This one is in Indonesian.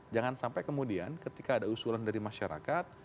jangan sampai kemudian ketika ada usulan dari masyarakat